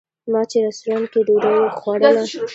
ما چې رسټورانټ کې ډوډۍ خوړله.